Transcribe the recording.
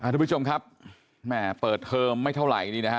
ทุกผู้ชมครับเปิดเทอมไม่เท่าไหร่